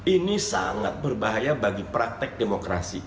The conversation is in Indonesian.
ini sangat berbahaya bagi praktek demokrasi